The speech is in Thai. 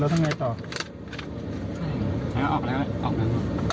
แล้วทำไงต่อแทงแล้วออกไปแล้วออกแล้วออกแล้ว